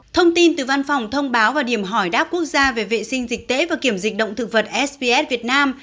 thông tin từ văn phòng thông báo và điểm hỏi đáp quốc gia về vệ sinh dịch tễ và kiểm dịch động thực vật sps việt nam